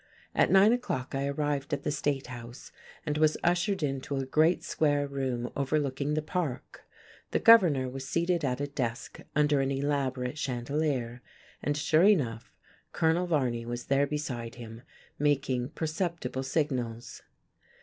At nine o'clock I arrived at the State House and was ushered into a great square room overlooking the park. The Governor was seated at a desk under an elaborate chandelier, and sure enough, Colonel Varney was there beside him; making barely perceptible signals.